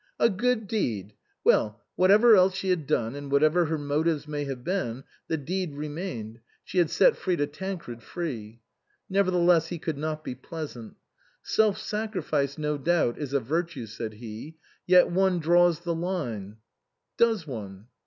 A good deed ! Well, whatever else she had done, and whatever her motives may have been, the deed remained ; she had set Frida Tancred free. Nevertheless, he could not be pleasant. " Self sacrifice, no doubt, is a virtue," said he ;" yet one draws the line " "Does one?"